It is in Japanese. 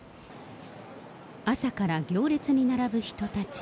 朝から行列に並ぶ人たち。